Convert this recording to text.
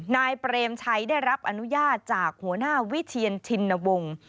นายเปรมชัยได้รับอนุญาตจากหัวหน้าวิเชียนชินวงศ์